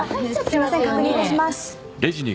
すいません確認いたします